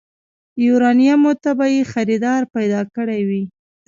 يوارنيمو ته به يې خريدار پيدا کړی وي.